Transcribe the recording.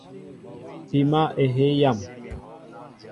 Pima ehey yam.